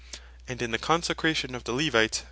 And in the consecration of the Levites (Numb.